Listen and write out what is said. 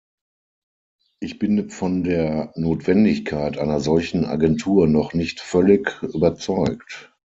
Ich bin von der Notwendigkeit einer solchen Agentur noch nicht völlig überzeugt.